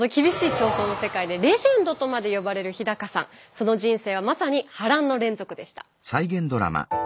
その人生はまさに波乱の連続でした。